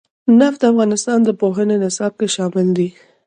نفت د افغانستان د پوهنې نصاب کې شامل دي.